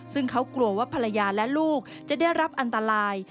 ซึ่งเขากลัวว่าภรรยาและลูกจะได้รับอันตราย